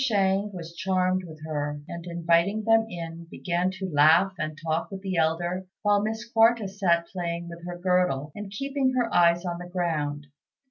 Shang was charmed with her, and inviting them in, began to laugh and talk with the elder, while Miss Quarta sat playing with her girdle, and keeping her eyes on the ground.